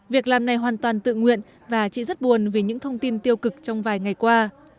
việc làm này hoàn toàn tự nguyện và chị rất buồn vì những thông tin tiêu cực trong vài ngày qua